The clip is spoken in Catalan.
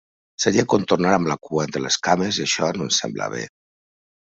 Seria com tornar amb la cua entre les cames i això no em sembla bé.